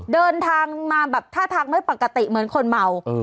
เดินทางมาแบบท่าทางไม่ปกติเหมือนคนเมา